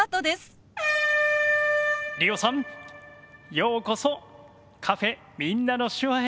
ようこそカフェみんなの手話へ！